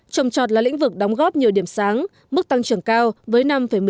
trồng trọt là lĩnh vực đóng góp nhiều điểm sáng mức tăng trưởng cao với năm một mươi sáu